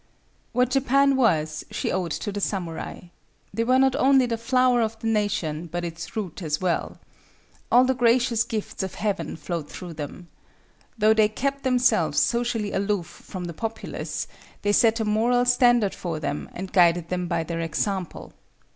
What Japan was she owed to the samurai. They were not only the flower of the nation but its root as well. All the gracious gifts of Heaven flowed through them. Though they kept themselves socially aloof from the populace, they set a moral standard for them and guided them by their example.